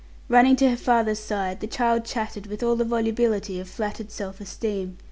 Running to her father's side, the child chattered with all the volubility of flattered self esteem.